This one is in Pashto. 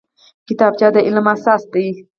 کتابچه د علم اساس دی